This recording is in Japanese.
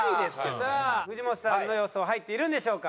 さあ藤本さんの予想入っているんでしょうか？